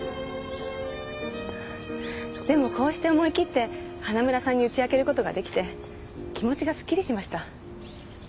でもこうして思い切って花村さんに打ち明けることができて気持ちがすっきりしました。